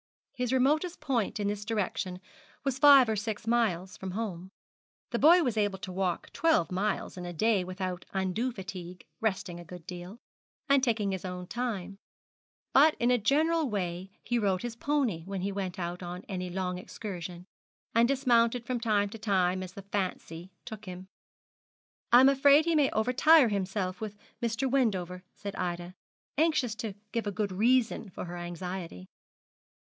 His remotest point in this direction was five or six miles from home. The boy was able to walk twelve miles in a day without undue fatigue, resting a good deal, and taking his own time; but in a general way he rode his pony when he went on any long excursion, and dismounted from time to time as the fancy took him. 'I'm afraid he may overtire himself with Mr. Wendover, said Ida, anxious to give a good reason for her anxiety.